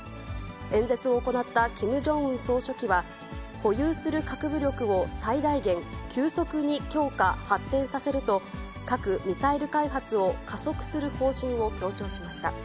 演説を行ったキム・ジョンウン総書記は、保有する核武力を最大限、急速に強化、発展させると、核・ミサイル開発を加速する方針を強調しました。